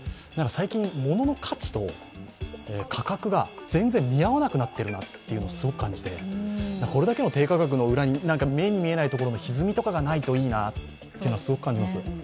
最近、物の価値と価格が全然見合わなくなっているなというのをすごく感じてこれだけの低価格の裏に、目に見えないところのひずみとかがないといいなとすごく感じます。